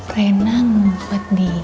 kayaknya ada yang mumpet